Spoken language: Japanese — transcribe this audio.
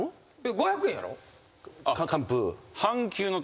５００円やろ？